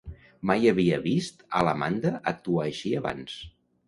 Mai havia vist a l'Amanda actuar així abans.